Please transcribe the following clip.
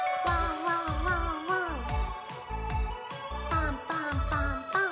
パンパンパンパン。